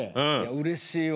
うれしいわ。